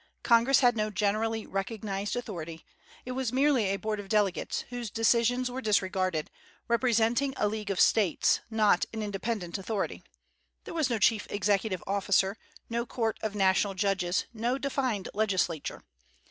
Congress had no generally recognized authority; it was merely a board of delegates, whose decisions were disregarded, representing a league of States, not an independent authority. There was no chief executive officer, no court of national judges, no defined legislature.